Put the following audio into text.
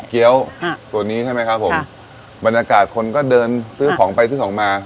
เกี้ยวตัวนี้ใช่ไหมครับผมบรรยากาศคนก็เดินซื้อของไปซื้อของมา